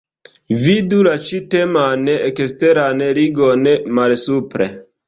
Vidu la ĉi-teman eksteran ligon malsupre.